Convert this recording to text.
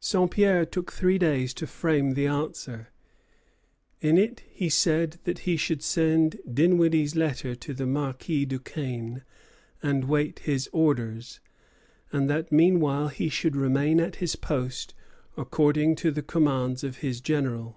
Saint Pierre took three days to frame the answer. In it he said that he should send Dinwiddie's letter to the Marquis Duquesne and wait his orders; and that meanwhile he should remain at his post, according to the commands of his general.